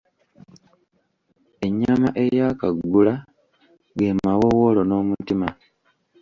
Ennyama ey’akaggula ge mawoowoolo n’omutima.